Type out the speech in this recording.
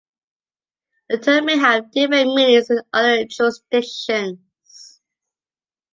The term may have different meanings in other jurisdictions.